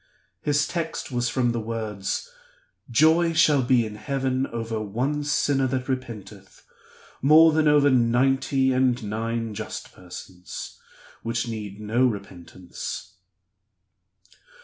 His text was from the words, 'Joy shall be in heaven over one sinner that repenteth, more than over ninety and nine just persons, which need no repentance.